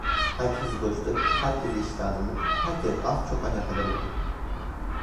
Herkes boştu, herkese iş lazımdı, herkes az çok alakadar oldu.